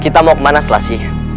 kita mau kemana selasi